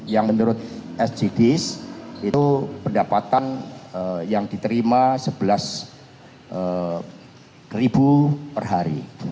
yang menurut sgds itu pendapatan yang diterima rp sebelas per hari